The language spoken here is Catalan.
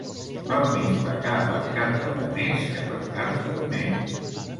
Val més pecar per carta de més que per carta de menys.